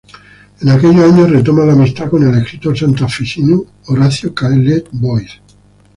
En aquellos años retoma la amistad con el escritor santafesino Horacio Caillet-Bois.